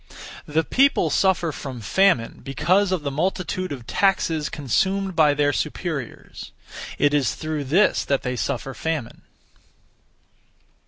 The people suffer from famine because of the multitude of taxes consumed by their superiors. It is through this that they suffer famine.